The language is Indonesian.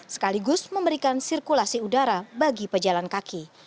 sekaligus memberikan sirkulasi udara bagi pejalan kaki